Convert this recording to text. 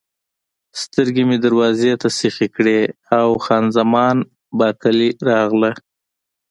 سترګې مې دروازې ته سیخې کړې او خان زمان بارکلي راغله.